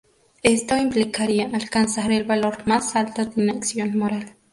Esto implicaría alcanzar el valor más alto de una acción moral.